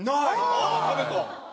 ああ食べた。